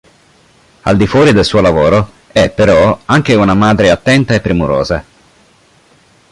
Al di fuori del suo lavoro è però anche una madre attenta e premurosa.